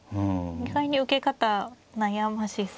意外に受け方悩ましそう。